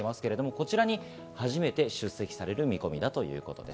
こちらに初めて出席される見込みだということです。